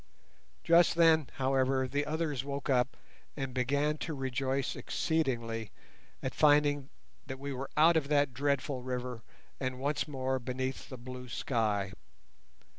Just then, however, the others woke up and began to rejoice exceedingly at finding that we were out of that dreadful river and once more beneath the blue sky.